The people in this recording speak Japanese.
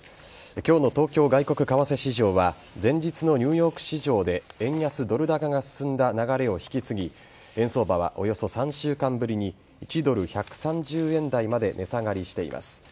今日の東京外国為替市場は前日のニューヨーク市場で円安ドル高が進んだ流れを引き継ぎ円相場はおよそ３週間ぶりに１ドル１３０円台まで値下がりしています。